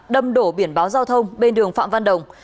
đâm đổ biển báo giao thông bên đường phạm văn đồng